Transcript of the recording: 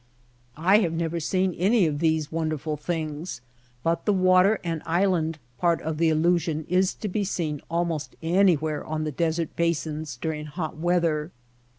I have never seen any of these wonderful things, but the water and island part of the illusion is to be seen almost anywhere in the desert basins during hot weath er.